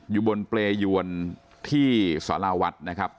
อยู่บนเปรยวรที่สารวัตร